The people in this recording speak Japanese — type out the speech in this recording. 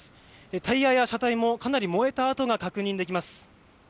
タイヤや車体もかなり燃えたあとが確認できます。